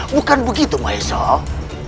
bukan begitu maesah